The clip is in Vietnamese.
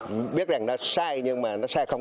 tương tự trong quá trình thi công